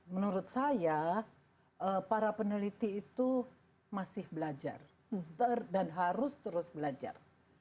menurut saya para peneliti itu masih belajar dan harus terus belajar